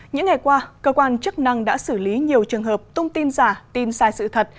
những ngày qua cơ quan chức năng đã xử lý nhiều trường hợp tung tin giả tin sai sự thật